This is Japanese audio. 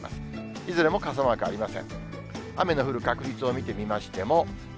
いずれも傘マークありません。